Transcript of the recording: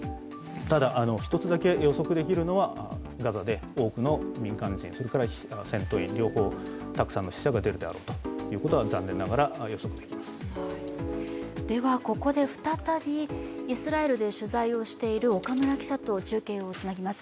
ただ、１つだけ予測できるのはガザで多くの民間人、それから戦闘員、両方たくさんの死者が出るであろうとここで再びイスラエルで取材をしている岡村記者と中継をつなぎます。